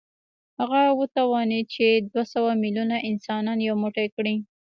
هغه وتوانېد چې دوه سوه ميليونه انسانان يو موټی کړي.